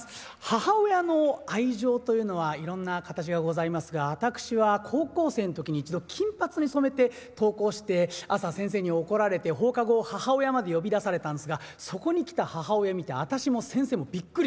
母親の愛情というのはいろんな形がございますが私は高校生の時に一度金髪に染めて登校して朝先生に怒られて放課後母親まで呼び出されたんですがそこに来た母親見て私も先生もびっくりしたんです。